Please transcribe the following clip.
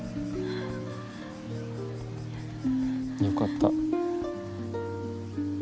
よかった。